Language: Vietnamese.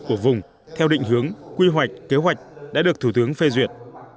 của vùng theo định hướng quy hoạch kế hoạch đã được thủ tướng phê duyệt